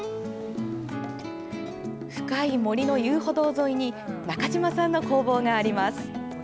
深い森の遊歩道沿いに中島さんの工房があります。